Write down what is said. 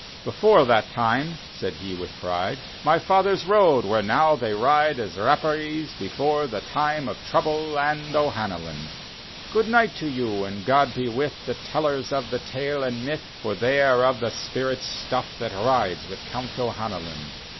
" Before that time," said he with pride, " My fathers rode where now they ride As R^perees, before the time Of Trouble and O'Hanlon." D,gt,, erihyGOOgle The Haunted Hoar " Good night to you, and God be with The Tellers of the tale and myth, For they are of the spirit stufiE That rides with Count O'Hanlon."